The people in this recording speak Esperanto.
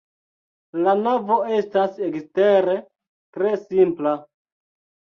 La navo estas ekstere tre simpla.